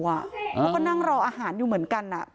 เขาก็นั่งรออาหารอยู่เหมือนกัน